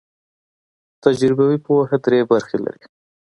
تجربوي پوهه درې برخې لري.